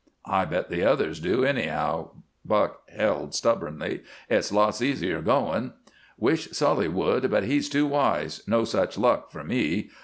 "I bet the others do, anyhow," Buck held, stubbornly. "It's lots easier going." "Wish Sully would, but he's too wise. No such luck for me."